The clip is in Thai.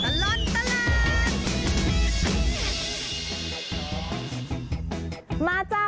ช่วงตลอดตลาด